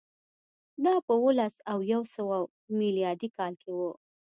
دا په اووه لس او یو سوه میلادي کال کې و